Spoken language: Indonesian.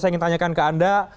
saya ingin tanyakan ke anda